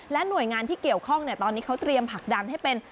หน่วยงานที่เกี่ยวข้องตอนนี้เขาเตรียมผลักดันให้เป็น